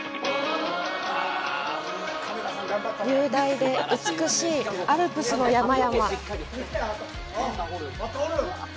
雄大で美しいアルプスの山々。